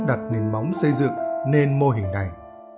đặt nền bóng xây dựng nền mô hình này